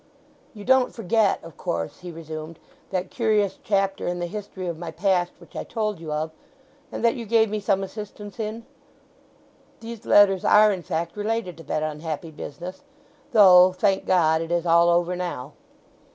"You don't forget, of course," he resumed, "that curious chapter in the history of my past which I told you of, and that you gave me some assistance in? These letters are, in fact, related to that unhappy business. Though, thank God, it is all over now."